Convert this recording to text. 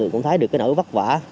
cũng thấy được cái nỗi vất vả